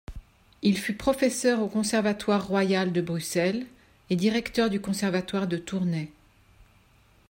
Il fut professeur au Conservatoire royal de Bruxelles et directeur du Conservatoire de Tournai.